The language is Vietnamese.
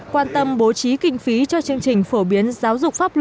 quan tâm bố trí kinh phí cho chương trình phổ biến giáo dục pháp luật